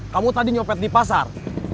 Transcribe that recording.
kamu tadi nyopet di pasar